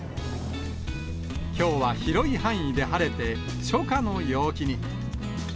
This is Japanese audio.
きょうは広い範囲で晴れて、初夏の陽気に。